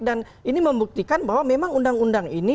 dan ini membuktikan bahwa memang undang undang ini